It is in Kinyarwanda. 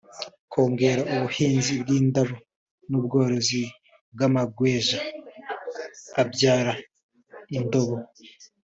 kongera ubuhinzi bw’indabo n’ubworozi bw’amagweja abyara indodo